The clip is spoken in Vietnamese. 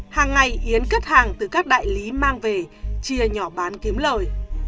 hàng ngày yến cất hàng từ các đại lý mang về chia nhỏ bán kiếm lời